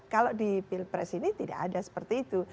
kalau di pilpres ini tidak ada seperti itu